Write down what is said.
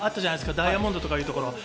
ダイヤモンドとかいうところ。